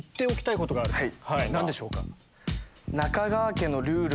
何でしょうか？